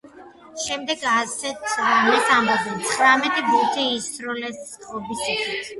შემდეგ ასეთ რამეს ამბობენ — ცხრამეტი ბურთი ისროლეს ღობის იქით.